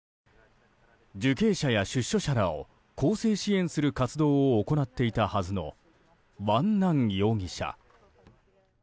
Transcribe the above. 受刑者や出所者らを更生支援する活動を行っていたはずのワン・ナン容疑者。